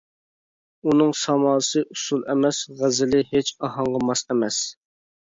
ئۇنىڭ ساماسى ئۇسسۇل ئەمەس، غەزىلى ھېچ ئاھاڭغا ماس ئەمەس.